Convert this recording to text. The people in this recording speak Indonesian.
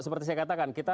seperti saya katakan